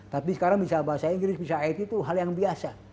tapi sekarang bisa bahasa inggris bisa it itu hal yang biasa